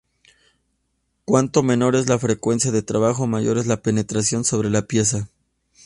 Cuanto menor es la frecuencia de trabajo, mayor es la penetración sobre la pieza.